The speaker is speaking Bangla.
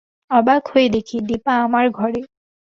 অবাক হয়ে দেখি, দিপা আমার ঘরে।